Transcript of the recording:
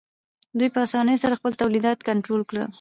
دوی په اسانۍ سره خپل تولیدات کنټرول کړل